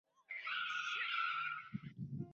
আমরা এখন নারী।